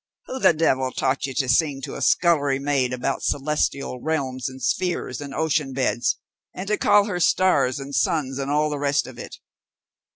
Who the devil taught you to sing to a scullery maid about celestial realms, and spheres, and ocean beds, and to call her stars and suns and all the rest of it?